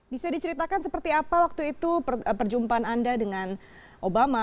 bisa diceritakan seperti apa waktu itu perjumpaan anda dengan obama